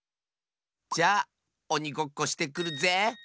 じゃおにごっこしてくるぜ！